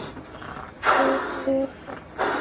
তার গায়ে অপার্থিব এক ফুলের গন্ধ।